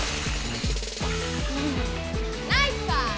ナイスパス！